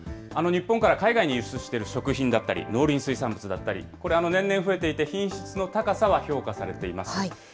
日本から海外に輸出している食品だったり、農林水産物だったり、これ、年々増えていて、品質の高さは評価されています。